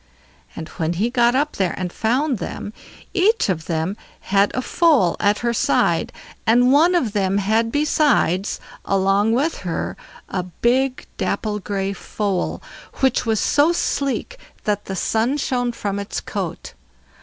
And when he got up there and found them, each of them had a foal at her side, and one of them had besides, along with her, a big dapple gray foal, which was so sleek that the sun shone from its coat.